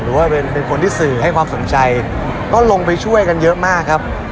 หรือว่าเป็นคนที่สื่อให้ความสนใจก็ลงไปช่วยกันเยอะมากครับ